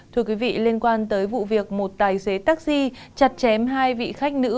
thưa quý vị liên quan tới vụ việc một tài xế taxi chặt chém hai vị khách nữ